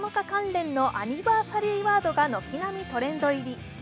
関連のアニバーサリーワードが軒並みトレンド入り。